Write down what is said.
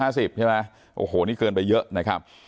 ใช่ไหมโอ้โหนี่เกินไปเยอะนะครับ